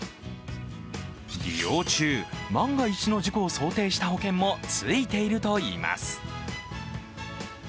利用中、万が一の事故を想定した保険もついているといいます。